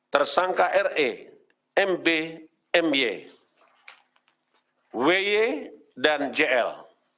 tersangka re mb my wy dan jl